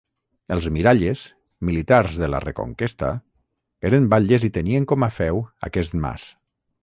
Els Miralles, militars de la reconquesta, eren batlles i tenien com a feu aquest mas.